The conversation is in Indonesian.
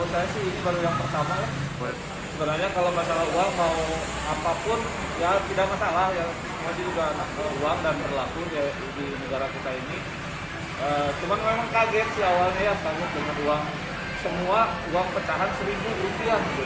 tapi memang kaget awalnya karena dengan uang semua uang pecahan rp satu